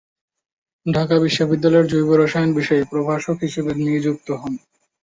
ঢাকা বিশ্ববিদ্যালয়ের জৈব রসায়ন বিষয়ে প্রভাষক হিসেবে নিযুক্ত হন।